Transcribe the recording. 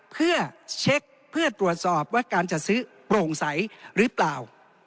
เพื่อเช็คเพื่อตรวจสอบว่าการจัดซื้อโปร่งใสหรือเปล่า